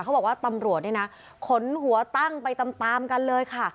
เขาบอกว่าตำรวจเนี่ยนะขนหัวตั้งไปตามกันเลยค่ะ